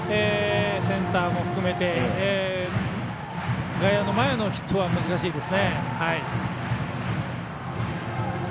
センターも含めて外野の前のヒットは難しいです。